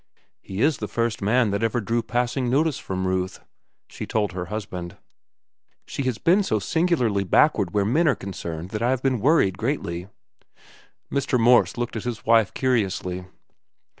"He is the first man that ever drew passing notice from Ruth," she told her husband. "She has been so singularly backward where men are concerned that I have been worried greatly." Mr. Morse looked at his wife curiously.